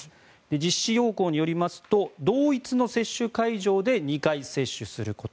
実施要項によりますと同一の接種会場で２回接種すること。